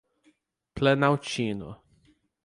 Planaltino